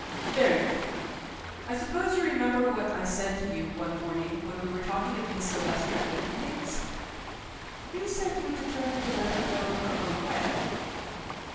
"Very good. I suppose you remember what I said to you, one morning, when we were talking of Miss Silvester at Windygates?" "You said you had determined to let her go her own way."